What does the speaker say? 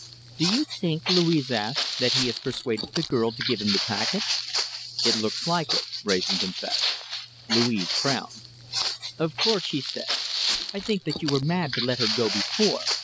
"Do you think," Louise asked, "that he has persuaded the girl to give him the packet?" "It looks like it," Wrayson confessed. Louise frowned. "Of course," she said, "I think that you were mad to let her go before.